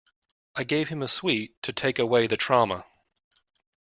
I gave him a sweet, to take away the trauma.